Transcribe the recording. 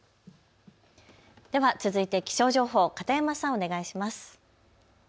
では続いて気象情報、片山さん、お願いします。